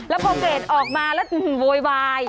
แล้วพอเกรดออกมาแล้วโวยวาย